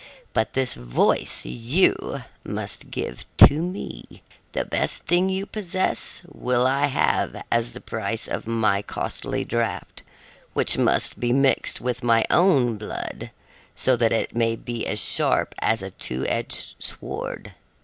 But this voice you must give to me. The best thing you possess will I have as the price of my costly draft, which must be mixed with my own blood so that it may be as sharp as a two edged sword."